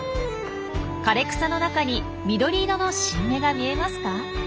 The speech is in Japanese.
枯れ草の中に緑色の新芽が見えますか？